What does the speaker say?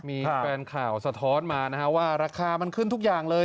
มีแฟนข่าวสะท้อนมานะฮะว่าราคามันขึ้นทุกอย่างเลย